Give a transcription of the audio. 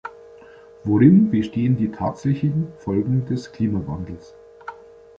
Worin bestehen die tatsächlichen Folgen des Klimawandels?